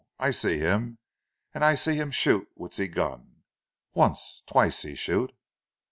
I see him, an' I see him shoot with zee gun once, twice he shoot."